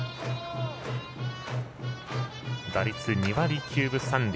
打率２割９分３厘。